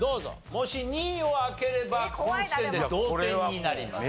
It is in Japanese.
もし２位を開ければこの時点で同点になります。